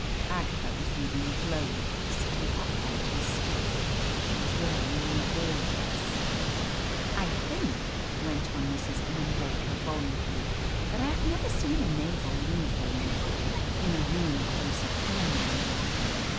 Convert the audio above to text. Agatha was reading the Globe, sitting upright and stiff, for she was wearing a new ball dress. "I think," went on Mrs. Ingham Baker volubly, "that I have never seen a naval uniform before in a room close at hand, you know.